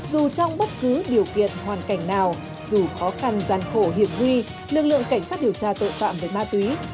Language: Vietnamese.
dù trong bất cứ điều kiện hoàn cảnh nào dù khó khăn gian khổ hiểm huy lực lượng cảnh sát điều tra tội phạm về ma túy